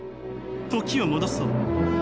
時を戻そう。